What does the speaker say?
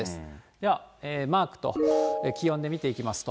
では、マークと気温で見ていきますと。